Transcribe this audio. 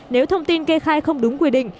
nếu thông tin kê khai không đúng quy định